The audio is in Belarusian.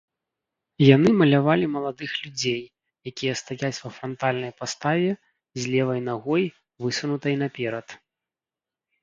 Яны малявалі маладых людзей, якія стаяць ва франтальнай паставе, з левай нагой, высунутай наперад.